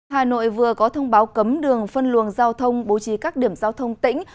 hà nội vừa có thông báo cấm đường phân luồng giao thông bố trí các điểm giao thông tỉnh